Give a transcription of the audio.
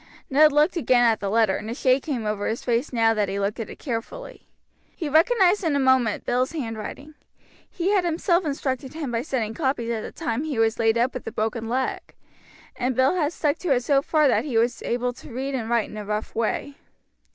Ned looked again at the letter, and a shade came over his face now that he looked at it carefully. He recognized in a moment Bill's handwriting. He had himself instructed him by setting him copies at the time he was laid up with the broken leg, and Bill had stuck to it so far that he was able to read and write in a rough way.